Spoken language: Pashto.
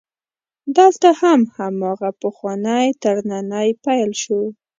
دلته هم هماغه پخوانی ترننی پیل شو.